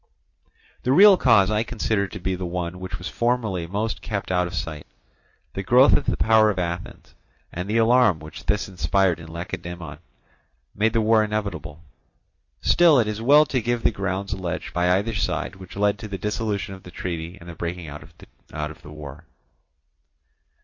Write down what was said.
The real cause I consider to be the one which was formally most kept out of sight. The growth of the power of Athens, and the alarm which this inspired in Lacedaemon, made war inevitable. Still it is well to give the grounds alleged by either side which led to the dissolution of the treaty and the breaking out of the war.